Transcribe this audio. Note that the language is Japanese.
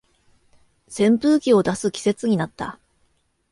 扇風機を出す季節になった